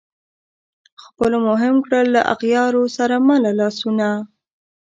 خلپو مو هم کړل له اغیارو سره مله لاسونه